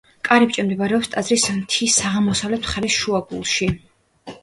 კარიბჭე მდებარეობს ტაძრის მთის აღმოსავლეთ მხარის შუაგულში.